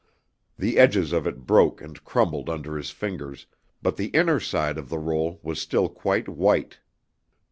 The edges of it broke and crumbled under his fingers, but the inner side of the roll was still quite white.